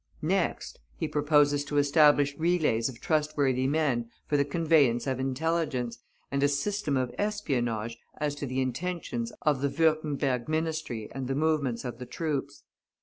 Next, he proposes to establish relays of trustworthy men for the conveyance of intelligence, and a system of espionage as to the intentions of the Würtemberg Ministry and the movements of the troops.